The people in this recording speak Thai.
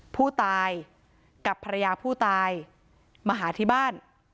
ผู้ตายกับภรรยาผู้ตายมาหาที่บ้าน